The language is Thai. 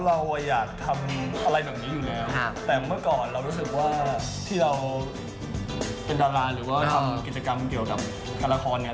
เราอยากทำอะไรแบบนี้อยู่แล้วแต่เมื่อก่อนเรารู้สึกว่าที่เราเป็นดาราหรือว่าทำกิจกรรมเกี่ยวกับการละครเนี่ย